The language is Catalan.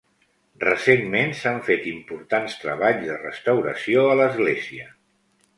Recentment, s'han fet importants treballs de restauració a l'església.